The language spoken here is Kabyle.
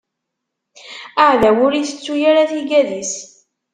Aɛdaw ur itettu ara tigad-is.